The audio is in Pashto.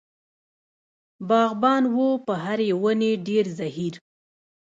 باغبان و په هرې ونې ډېر زهیر.